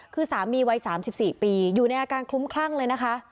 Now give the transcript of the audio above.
คือสามีวัย๓๔ปีอยู่ในอาการคลุ้มคลั่งเลยนะคะ